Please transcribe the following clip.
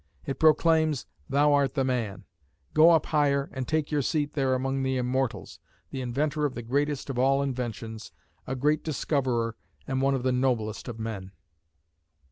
It proclaims, Thou art the man; go up higher and take your seat there among the immortals, the inventor of the greatest of all inventions, a great discoverer and one of the noblest of men!